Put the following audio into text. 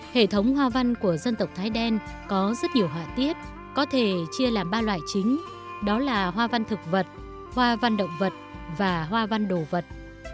hệ thống hoa văn của dân tộc thái đen có rất nhiều họa tiết có thể chia làm ba loại chính đó là hoa văn thực vật hoa văn động vật và hoa văn đồ vật